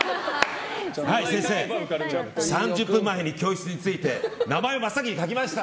はい、先生３０分前に教室に着いて名前真っ先に書きました！